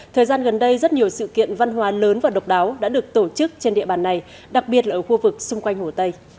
thời gian gần đây rất nhiều sự kiện văn hóa lớn và độc đáo đã được tổ chức trên địa bàn này đặc biệt là ở khu vực xung quanh hồ tây